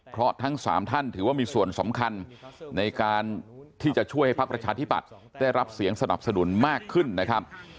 เพราะทั้ง๓ท่านถือว่ามีส่วนสำคัญในการที่จะช่วยให้พักประชาธิปัตย์ได้รับเสียงสนับสนุนมากขึ้นนะครับ